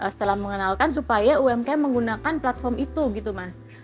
setelah mengenalkan supaya umkm menggunakan platform itu gitu mas